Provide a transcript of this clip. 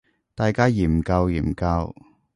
大家研究研究